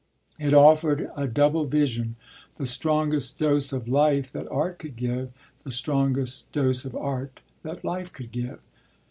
It offered a double vision, the strongest dose of life that art could give, the strongest dose of art that life could give.